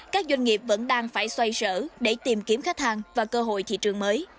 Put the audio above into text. các doanh nghiệp vẫn đang phải xoay sở để tìm kiếm khách hàng và cơ hội thị trường mới